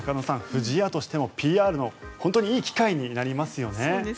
不二家としてもＰＲの本当にいい機会になりますよね。